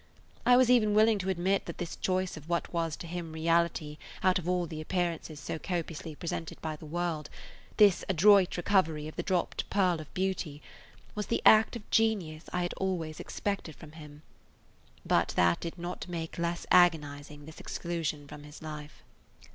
I was [Page 130] even willing to admit that this choice of what was to him reality out of all the appearances so copiously presented by the world, this adroit recovery of the dropped pearl of beauty, was the act of genius I had always expected from him. But that did not make less agonizing this exclusion from his life.